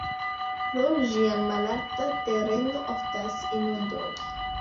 Pro ĝia malalta tereno oftas inundoj.